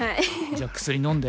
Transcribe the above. じゃあ薬飲んで。